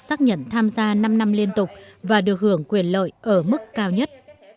xác nhận tham gia năm năm liên tục và được hưởng quyền lợi ở mức cao nhất